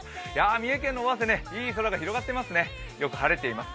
三重県の尾鷲、いい空が広がっていますね、よく晴れています。